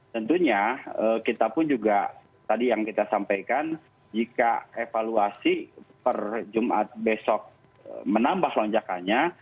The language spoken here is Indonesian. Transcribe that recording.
tentunya kita pun juga tadi yang kita sampaikan jika evaluasi per jumat besok menambah lonjakannya